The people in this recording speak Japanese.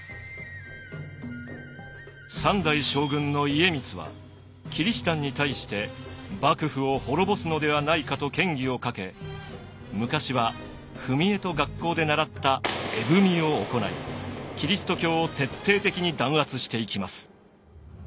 三代将軍の家光はキリシタンに対して幕府を滅ぼすのではないかと嫌疑をかけ昔は踏み絵と学校で習った絵踏を行いキリスト教を徹底的に弾圧していきます。